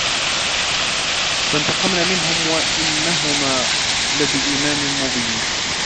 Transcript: فَانْتَقَمْنَا مِنْهُمْ وَإِنَّهُمَا لَبِإِمَامٍ مُبِينٍ